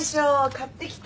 買ってきた。